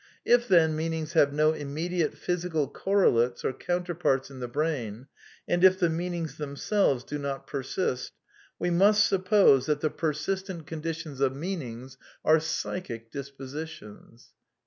If then meanings have no immediate physi cal correlates or counterparts in the brain, and if the meanings themselves do not persist, we must suppose that the persistent 92 A DEFENCE OF IDEALISM conditions of meanings are psychic dispositions."